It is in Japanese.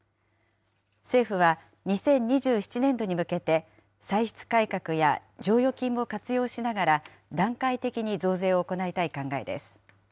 政府は２０２７年度に向けて、歳出改革や剰余金も活用しながら、段階的に増税を行いたい考えです。